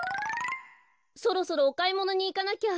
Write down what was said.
そろそろおかいものにいかなきゃ。